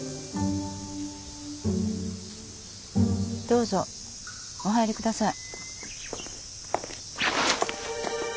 どうぞお入り下さい。